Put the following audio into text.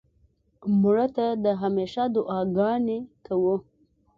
مړه ته د همېشه دعا ګانې کوو